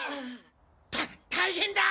た大変だ！